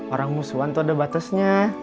orang musuhan itu ada batasnya